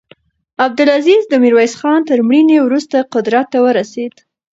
عبدالعزیز د میرویس خان تر مړینې وروسته قدرت ته ورسېد.